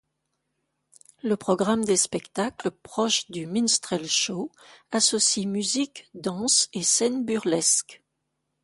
Le programme des spectacles, proche du minstrel show, associe musique, danse et scènes burlesques.